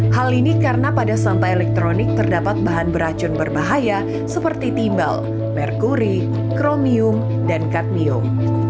hal ini karena pada sampah elektronik terdapat bahan beracun berbahaya seperti timbal merkuri kromium dan kadmium